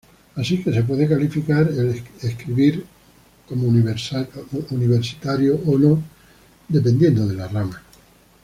Así que puede ser calificado escribir como universitario o no, dependiendo de la rama.